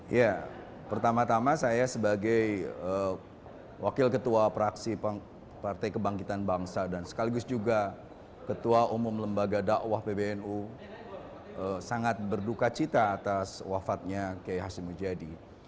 ya pertama tama saya sebagai wakil ketua praksi partai kebangkitan bangsa dan sekaligus juga ketua umum lembaga dakwah pbnu sangat berduka cita atas wafatnya kiai hashim mujadi